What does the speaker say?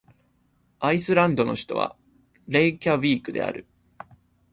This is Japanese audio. アイスランドの首都はレイキャヴィークである